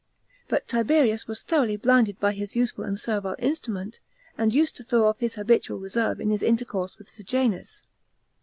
But Tiberius was thoroughly blinded by his useful and servile instrument, and used to throw off his habitual reserve in his intercourse with Sejanus.